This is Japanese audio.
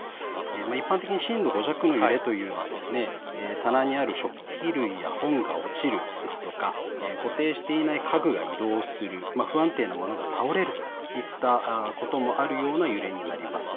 一般的に震度５弱の揺れというのは棚にある食器類や本が落ちるですとか、固定していない家具が移動する、不安定なものが倒れるといったこともあるような揺れです。